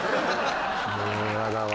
もうやだわ。